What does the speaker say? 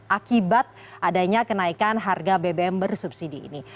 akibat adanya kenaikan harga bbm bersubsidi ini